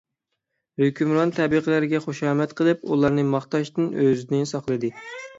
ھۆكۈمران تەبىقىلەرگە خۇشامەت قىلىپ، ئۇلارنى ماختاشتىن ئۆزىنى ساقلىدى.